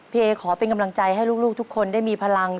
เอขอเป็นกำลังใจให้ลูกทุกคนได้มีพลัง